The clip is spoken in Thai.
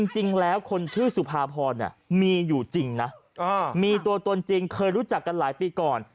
จริงแล้วคนชื่อสุภาพรมีอยู่จริงนะมีตัวตนจริงเคยรู้จักกันหลายปีก่อน